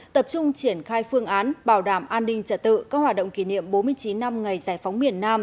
tập trung triển khai phương án bảo đảm an ninh trả tự các hoạt động kỷ niệm bốn mươi chín năm ngày giải phóng miền nam